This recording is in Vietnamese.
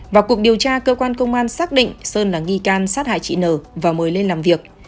vào cuộc điều tra cơ quan công an xác định sơn là nghi can sát hại chị n và mời lên làm việc